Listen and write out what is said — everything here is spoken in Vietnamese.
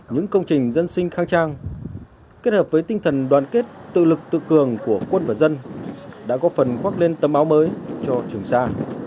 những công trình dân sinh khang trang kết hợp với tinh thần đoàn kết tự lực tự cường của quân và dân đã có phần khoác lên tầm áo mới cho trường sa